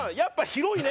広いね」